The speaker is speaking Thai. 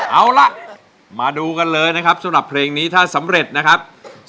เอาล่ะมาดูกันเลยนะครับสำหรับเพลงนี้ถ้าสำเร็จนะครับ